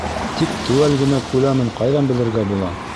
Тик теүәл генә күләмен ҡайҙан белергә була?